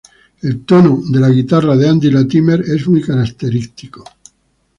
El tono de la guitarra de Andy Latimer es muy característico.